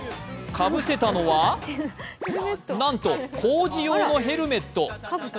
かぶせたのはなんと工事用のヘルメット。